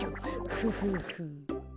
フフフ。